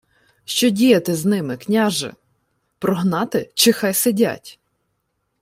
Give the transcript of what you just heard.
— Що діяти з ними, княже? Прогнати, чи хай сидять?